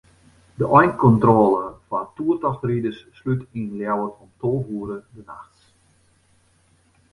De einkontrôle foar toertochtriders slút yn Ljouwert om tolve oere de nachts.